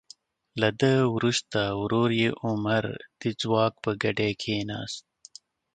له ده وروسته ورور یې عمر د ځواک په ګدۍ کیناست.